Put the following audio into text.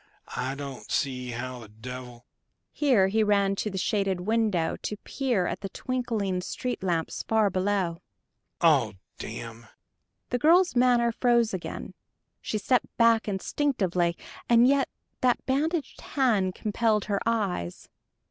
I don't see how the devil " here he ran to the shaded window to peer at the twinkling street lamps far below, "Oh, damn!" The girl's manner froze again. She stepped back instinctively; and yet that bandaged hand compelled her eyes.